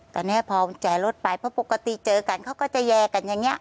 ตอนนี้พอกุญแจรถไปเพราะปกติเจอกันเขาก็จะแยกันอย่างนี้